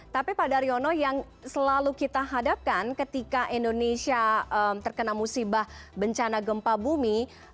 tapi pak daryono yang selalu kita hadapkan ketika indonesia terkena musibah bencana gempa bumi